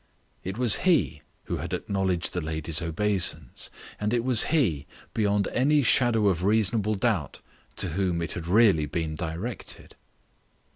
It was he who had acknowledged the lady's obeisance. And it was he, beyond any shadow of reasonable doubt, to whom it had really been directed.